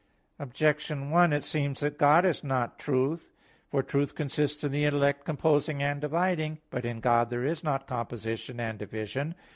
Objection 1: It seems that God is not truth. For truth consists in the intellect composing and dividing. But in God there is not composition and division.